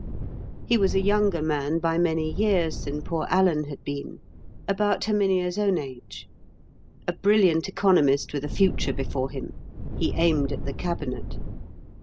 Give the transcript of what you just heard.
He was a younger man by many years than poor Alan had been; about Herminia's own age; a brilliant economist with a future before him. He aimed at the Cabinet.